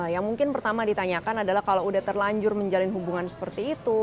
yang mungkin pertama ditanyakan adalah kalau udah terlanjur menjalin hubungan seperti itu